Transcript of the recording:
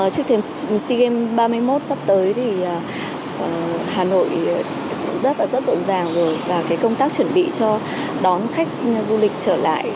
trước tiên sea games ba mươi một sắp tới hà nội rất rộn ràng và công tác chuẩn bị cho đón khách du lịch trở lại